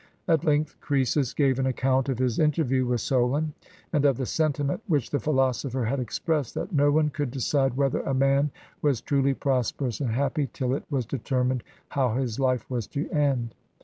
At length Croesus gave an account of his inter\'iew with Solon, and of the sentiment which the philosopher had expressed, that no one could decide whether a man was truly prosperous and happy till it was determined how his life was to end.